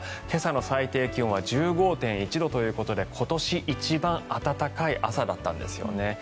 今朝の最低気温は１５．１度ということで今年一番暖かい朝だったんですよね。